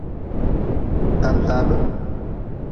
Tantaabe.